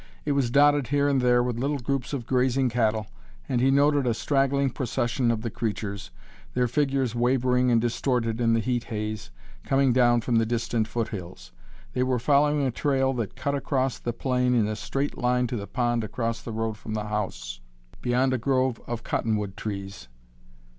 It was dotted here and there with little groups of grazing cattle, and he noted a straggling procession of the creatures, their figures wavering and distorted in the heat haze, coming down from the distant foot hills. They were following a trail that cut across the plain in a straight line to the pond across the road from the house, beyond a grove of cottonwood trees.